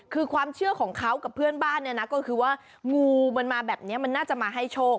คือความเชื่อของเขากับเพื่อนบ้านเนี่ยนะก็คือว่างูมันมาแบบนี้มันน่าจะมาให้โชค